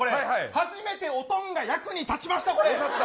初めておとんが役に立ちました。